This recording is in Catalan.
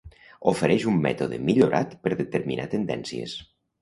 Ofereix un mètode millorat per determinar tendències.